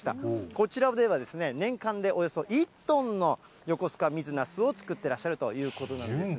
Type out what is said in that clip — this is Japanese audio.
こちらでは年間でおよそ１トンのよこすか水なすを作ってらっしゃるということなんですね。